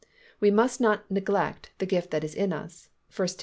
We must not "neglect" the gift that is in us (1 Tim.